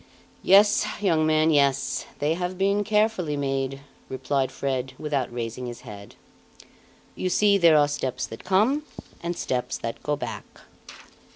"Yes, young man, yes, they have been carefully made," replied Fred without raising his head. "You see, there are steps that come, and steps that go back."